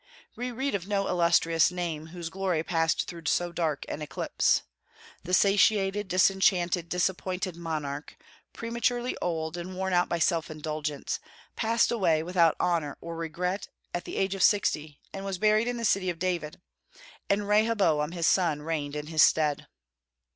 We read of no illustrious name whose glory passed through so dark an eclipse. The satiated, disenchanted, disappointed monarch, prematurely old, and worn out by self indulgence, passed away without honor or regret, at the age of sixty, and was buried in the City of David; and Rehoboam, his son, reigned in his stead.